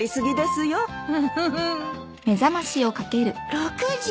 ６時！